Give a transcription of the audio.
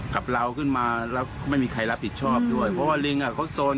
กับเราขึ้นมาแล้วไม่มีใครรับผิดชอบด้วยเพราะว่าลิงอ่ะเขาโซน